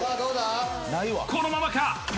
このままか？